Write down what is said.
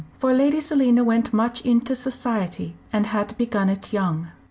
For Lady Selina went much into society, and had begun it young.